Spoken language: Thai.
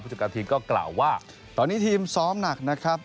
จัดการทีมก็กล่าวว่าตอนนี้ทีมซ้อมหนักนะครับ